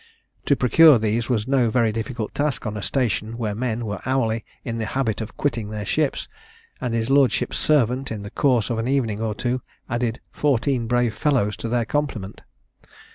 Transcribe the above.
To procure these was no very difficult task on a station where men were hourly in the habit of quitting their ships; and his lordship's servant, in the course of an evening or two, added fourteen brave fellows to their complement.